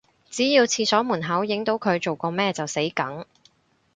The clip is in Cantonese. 只要廁所門口影到佢做過咩就死梗